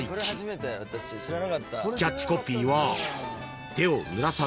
［キャッチコピーは］